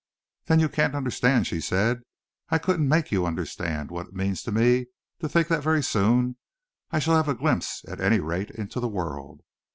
"Then you can't understand," she said, "I couldn't make you understand what it means to me to think that very soon I shall have a glimpse, at any rate, into the world.